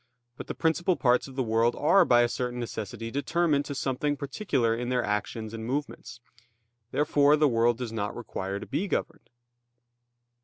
But the principal parts of the world are by a certain necessity determined to something particular in their actions and movements. Therefore the world does not require to be governed.